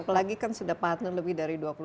apalagi kan sudah partner lebih dari dua puluh